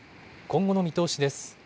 今後の見通しです。